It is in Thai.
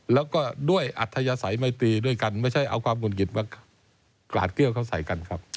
แล้วก็ด้วยอัธยศัยไมตีด้วยกันไม่ใช่เอาความหุ่นหงิดมากราดเกลี้ยวเขาใส่กันครับ